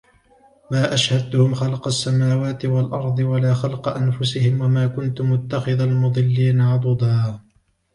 مَا أَشْهَدْتُهُمْ خَلْقَ السَّمَاوَاتِ وَالْأَرْضِ وَلَا خَلْقَ أَنْفُسِهِمْ وَمَا كُنْتُ مُتَّخِذَ الْمُضِلِّينَ عَضُدًا